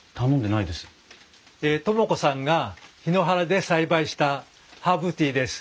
智子さんが檜原で栽培したハーブティーです。